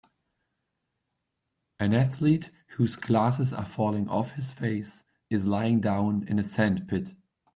An athlete who 's glasses are falling off his face is lying down in a sandpit.